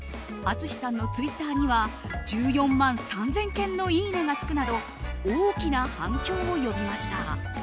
淳さんのツイッターには１４万３０００件のいいねがつくなど大きな反響を呼びました。